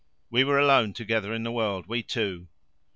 We were alone together in the world we two.